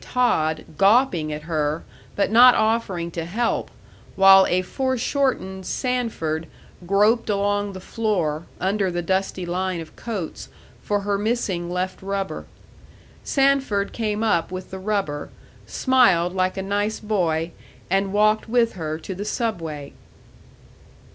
Todd gawping at her, but not offering to help, while a foreshortened Sanford groped along the floor, under the dusty line of coats, for her missing left rubber. Sanford came up with the rubber, smiled like a nice boy, and walked with her to the Subway.